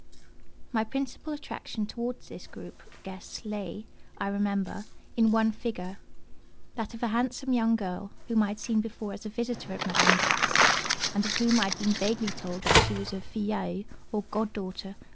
My principal attraction towards this group of guests lay, I remember, in one figure—that of a handsome young girl whom I had seen before as a visitor at Madame Beck's, and of whom I had been vaguely told that she was a "filleule," or god daughter, of M.